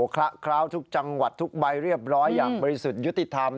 คละคล้าวทุกจังหวัดทุกใบเรียบร้อยอย่างบริสุทธิ์ยุติธรรม